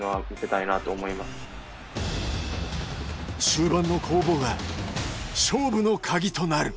中盤の攻防が勝負の鍵となる。